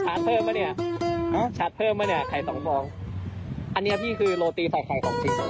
ของใครไงครับพี่ชาร์จเพิ่มมั้ยเนี่ยไข่๒ฟองอันนี้ครับพี่คือโรตี้ใส่ไข่ของจริง